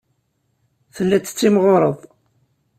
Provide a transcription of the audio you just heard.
Telliḍ tettimɣureḍ.